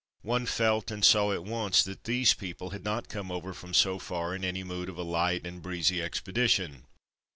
One felt and saw at once that these people had not come over from so far in any mood of a light and breezy expedition.